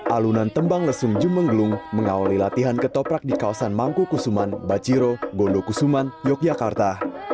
alunan tembang lesung jumenggelung mengawali latihan ketoprak di kawasan mangku kusuman baciro gondokusuman yogyakarta